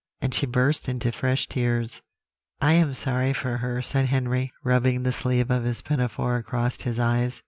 and she burst into fresh tears." "I am sorry for her," said Henry, rubbing the sleeve of his pinafore across his eyes.